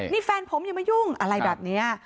นี่แฟนผมอย่ามายุ่งอะไรแบบนี้